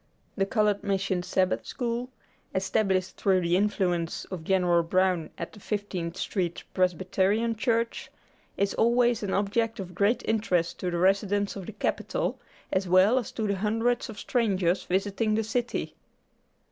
The Colored Mission Sabbath School, established through the influence of Gen. Brown at the Fifteenth Street Presbyterian Church, is always an object of great interest to the residents of the Capital, as well as to the hundreds of strangers visiting the city.